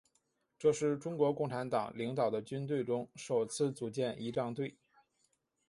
这是中国共产党领导的军队中首次组建仪仗队。